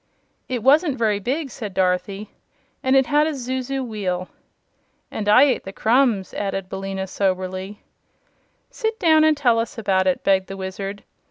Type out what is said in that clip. "It wasn't very big," said Dorothy; "and it had a zuzu wheel." "And I ate the crumbs," said Billina, soberly. "Sit down and tell us about it," begged the Wizard.